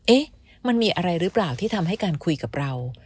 เอ๊ะมันมีอะไรหรือเปล่าที่ทำให้การคุยกับเรา